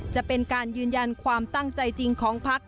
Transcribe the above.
จะเป็นการยืนยันความตั้งใจจริงของพัก